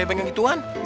raya panjang gituan